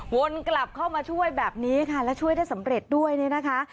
วนกลับเข้ามาช่วยแบบนี้ค่ะแล้วช่วยได้สำเร็จด้วยเนี่ยนะคะ